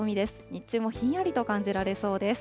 日中もひんやりと感じられそうです。